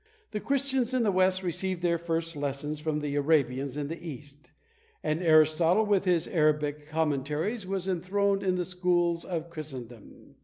The Christians in the west received their first lessons from the Arabians in the east; and Aristotle, with his Arabic commentaries, was enthroned in the schools of Christendom.